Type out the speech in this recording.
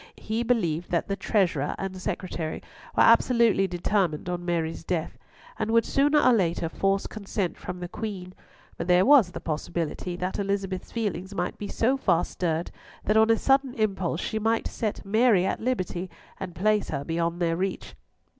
He believed that the Treasurer and Secretary were absolutely determined on Mary's death, and would sooner or later force consent from the Queen; but there was the possibility that Elizabeth's feelings might be so far stirred that on a sudden impulse she might set Mary at liberty, and place her beyond their reach.